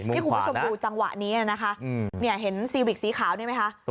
ที่คุณผู้ชมดูจังหวะนี้นะคะเห็นซีวิกสีขาวนี่ไหมคะ